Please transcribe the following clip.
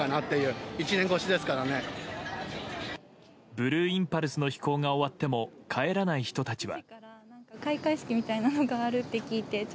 ブルーインパルスの飛行が終わっても帰らない人たちは。